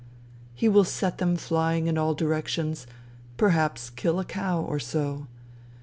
He will set them flying in all directions, perhaps kill a cow or so.